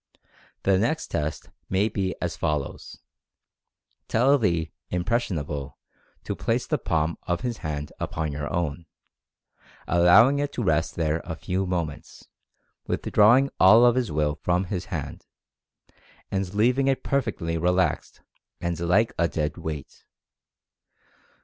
The next test may be as follows : Tell the "impres sionable" to place the palm of his hand upon your own, allowing it to rest there a few moments, withdrawing all of his Will from his hand, and leaving it perfectly relaxed and like a "dead weight."